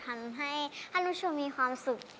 ทำให้คันว่าชวมมีความสุข